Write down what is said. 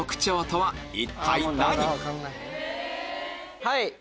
はい。